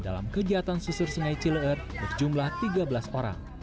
dalam kegiatan susur sungai cileer berjumlah tiga belas orang